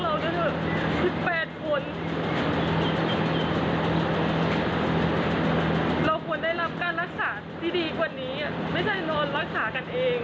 เราควรได้รับการรักษาที่ดีกว่านี้ไม่ใช่รักษากันเอง